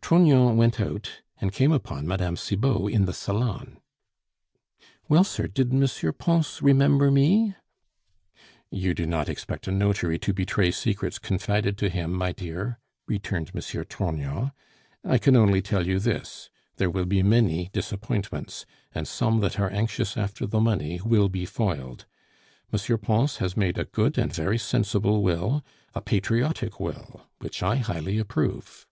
Trognon went out and came upon Mme. Cibot in the salon. "Well, sir, did M. Pons remember me?" "You do not expect a notary to betray secrets confided to him, my dear," returned M. Trognon. "I can only tell you this there will be many disappointments, and some that are anxious after the money will be foiled. M. Pons has made a good and very sensible will, a patriotic will, which I highly approve."